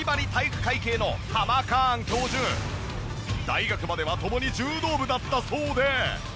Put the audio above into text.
大学までは共に柔道部だったそうで。